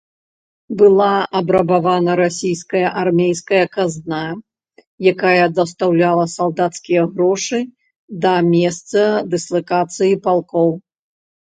Была абрабавана расійская армейская казна, якая дастаўляла салдацкія грошы да месца дыслакацыі палкоў.